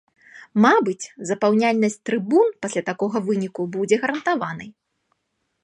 Мабыць, запаўняльнасць трыбун пасля такога выніку будзе гарантаванай.